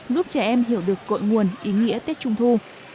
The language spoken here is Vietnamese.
giúp trẻ em hiểu được cội nguồn ý nghĩa tết trung thu